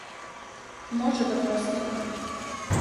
Може да постане.